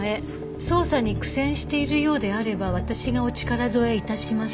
「捜査に苦戦しているようであれば私がお力添えいたします」